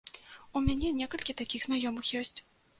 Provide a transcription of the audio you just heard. У мяне некалькі такіх знаёмых ёсць.